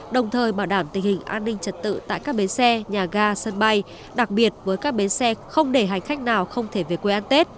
đồng thời bảo đảm tình hình an ninh trật tự tại các bến xe nhà ga sân bay đặc biệt với các bến xe không để hành khách nào không thể về quê an tết